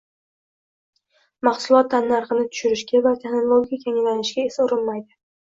Mahsulot tannarxini tushirishga va texnologik yangilanishga esa urinmaydi.